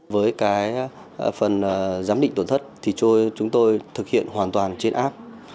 với phần giám định tổn thất chúng tôi thực hiện hoàn toàn trên app